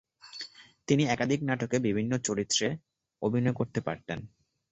তিনি একাধিক নাটকে বিভিন্ন চরিত্রে অভিনয় করতে পারতেন।